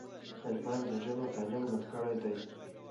طالبانو د نجونو تعلیم بند کړی دی.